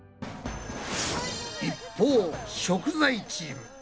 一方食材チーム。